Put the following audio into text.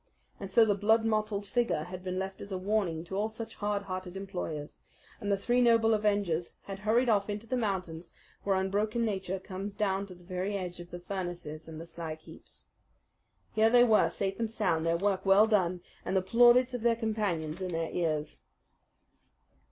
And so the blood mottled figure had been left as a warning to all such hard hearted employers, and the three noble avengers had hurried off into the mountains where unbroken nature comes down to the very edge of the furnaces and the slag heaps. Here they were, safe and sound, their work well done, and the plaudits of their companions in their ears.